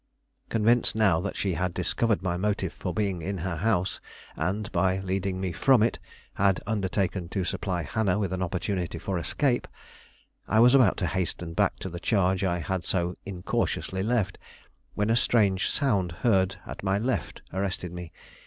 Convinced now that she had discovered my motive for being in her house and, by leading me from it, had undertaken to supply Hannah with an opportunity for escape, I was about to hasten back to the charge I had so incautiously left, when a strange sound heard at my left arrested me.